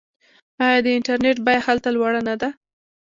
آیا د انټرنیټ بیه هلته لوړه نه ده؟